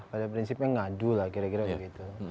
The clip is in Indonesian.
pada prinsipnya ngadu lah kira kira begitu